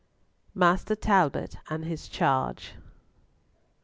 MASTER TALBOT AND HIS CHARGE.